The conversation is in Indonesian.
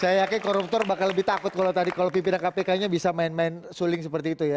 saya yakin koruptor bakal lebih takut kalau tadi kalau pimpinan kpk nya bisa main main suling seperti itu ya